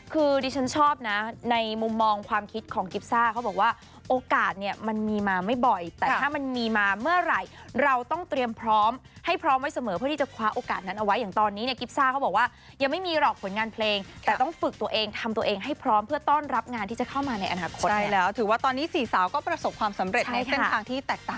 คือดิฉันชอบนะในมุมมองความคิดของกิฟซ่าเขาบอกว่าโอกาสเนี่ยมันมีมาไม่บ่อยแต่ถ้ามันมีมาเมื่อไหร่เราต้องเตรียมพร้อมให้พร้อมไว้เสมอเพื่อที่จะคว้าโอกาสนั้นเอาไว้อย่างตอนนี้เนี่ยกิฟซ่าเขาบอกว่ายังไม่มีหรอกผลงานเพลงแต่ต้องฝึกตัวเองทำตัวเองให้พร้อมเพื่อต้อนรับงานที่จะเข้ามาในอนาคต